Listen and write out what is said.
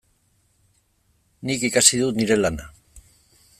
Nik ikasi dut nire lana.